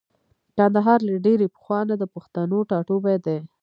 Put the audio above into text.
کندهار له ډېرې پخوانه د پښتنو ټاټوبی دی.